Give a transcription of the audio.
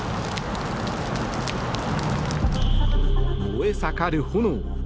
燃え盛る炎。